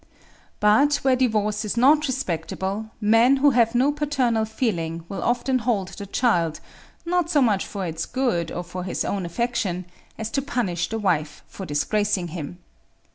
"But, where divorce is not respectable, men who have no paternal feeling will often hold the child, not so much for its good or his own affection, as to punish the wife for disgracing him.